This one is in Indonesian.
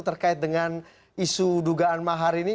terkait dengan isu dugaan mahar ini